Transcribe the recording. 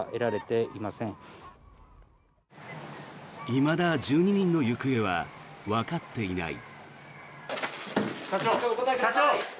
いまだ１２人の行方はわかっていない。